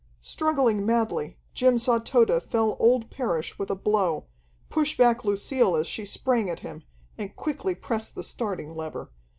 Struggling madly, Jim saw Tode fell old Parrish with a blow, push back Lucille as she sprang at him, and quickly press the starting lever.